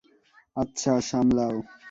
আচ্ছা, সামলাও।